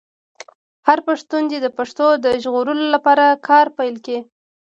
هر پښتون دې د پښتو د ژغورلو لپاره کار پیل کړي.